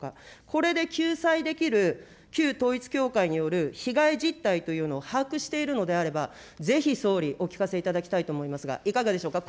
これで救済できる旧統一教会による被害実態というのを把握しているのであれば、ぜひ総理、お聞かせいただきたいと思いますが、いかがでしょうか。